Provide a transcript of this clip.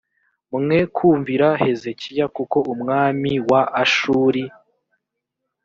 mwe kumvira hezekiya kuko umwami wa ashuri